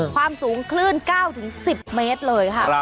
ความสูงคลื่น๙๑๐เมตรเลยค่ะ